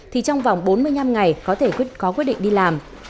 thì trong vòng bốn mươi năm ngày có thể có quyết định đi làm